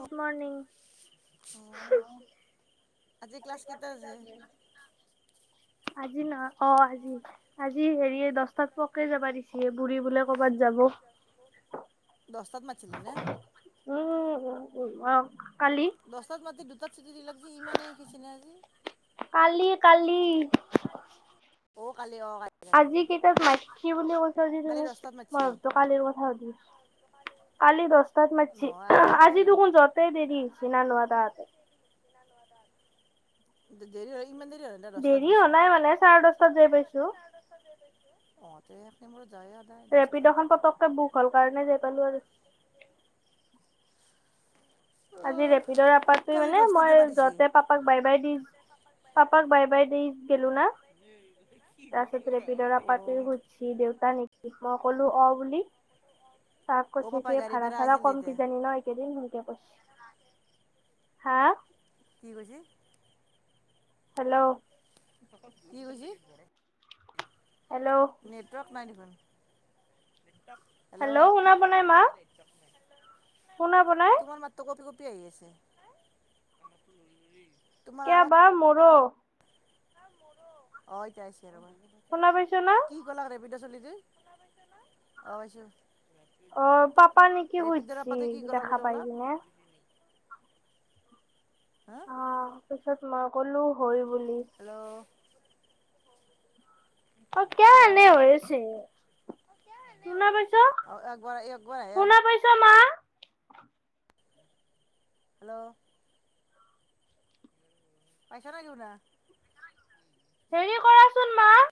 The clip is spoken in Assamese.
গুড মৰ্ণিং অ', আজি ক্লাছ কেইটা আছে? আজি না। অ', আজি, আজি হেৰি এই দহটাত পোৱাকে যাবা দিছে বুঢ়ী বোলে কৰ'বাত যাব। দছটাত মাতিছিলে নে? উম, উ, উ, অ', কালি। দহটাত মাতি দুটাত চুটি দিলাক যে ইমানেই [unintelligible] হৈছে নে আজি? কালি কালি। অ', কালি অ', কালি। কালি আজি কালি কেইটাত মাইকি বুলি কৈছা যে কালি তুমি দহটাত মাতিছি মই টো কালিৰ কথা সুধি আছোঁ। কালি দহটাত মাতছি, নহয় কথা আজি সুধিম দেখোন যোৱেতেই দেৰি হৈছি নানুৱাতাত। দে-দেৰি হয় ইমান দেৰি হয়? দে দহটাত দেৰি গৈছ হোৱা নাই মানে চাৰে দহটাত যাই পাছোঁ। অহ তে সেইখিনি মোৰ যায় আৰু ৰেপিড খন পতকে বুক হ'ল কাৰণে যাই পালো আৰু। আজি অঁ ৰেপিডৰ আপাৰট কালি মানে দহটাত মই যাবা দিছি যতে পাপাক bye by the পাপাক bye by the গলো না। নেই এতে কি? তাৰপাছত ৰেপিডৰ আপা ঘুজছি দেউতা নেকি? মই কলো অ' বুলি। তাক অঁ কৈছে কি পাপাই গাড়ীৰ ভাড়া পৰা ভাড়াও আহিছিল কম তেতিয়া কিজানি ন একেদিন সেনকে কৈছি। হা? কি কৈছে? হেল্ল'। কি কজি? হেল্ল' নেটৱৰ্ক নাই দেখোন নেটৱৰ্ক হেল্ল' শুনা পোৱা নাই মা শুনা পোৱা নাই তোমাৰ মাত তো কঁপি কঁপি আহি আছে। কিয় বা মোৰো। অ' এতিয়া আহিছে ৰ'বা শুনা পাইছ না কি- ক'লাগ ৰেবিড' চলি যে অ' পাইছো। অ পাপা নেকি অ' ৰেপিড সুধছি আপাতোৱে কি কলা দেখা বোলি পাই কলা? কিনে হা অ' পিছত মই ক'লো হয় বুলি। হেল্ল'। অ' কে এনে হেল্ল' হৈছে। শুনা পাইছ? অঁ একবাৰ একবাৰ আহে শুনা পাইছ মা? হেল্ল'। পাইছ নেকি শুনা? হেৰি কৰাচোন মা